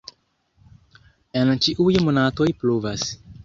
En ĉiuj monatoj pluvas.